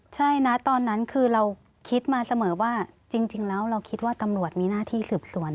ใช่นะตอนนั้นคือเราคิดมาเสมอว่าจริงแล้วเราคิดว่าตำรวจมีหน้าที่สืบสวน